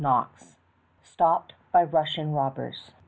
'Kr'^ ...... STOPPED BY RUSSIAN ROBBERS.